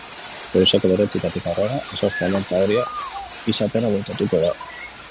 Goizeko bederatzietatik aurrera, izozte alerta horia izatera bultatuko da.